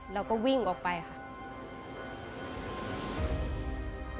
เราก็วิ่งออกไปค่ะ